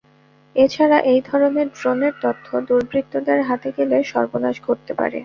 এ ছাড়া এই ধরনের ড্রোনের তথ্য দুর্বৃত্তদের হাতে গেলে সর্বনাশ ঘটতে পারে।